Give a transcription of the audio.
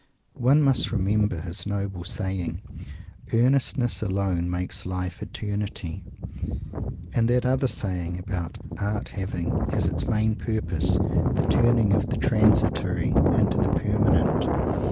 One must remember his noble saying, "Earnestness alone makes life Eternity" and that other "saying" about Art having, as its main purpose, the turning of the "Transitory" into the "Permanent"!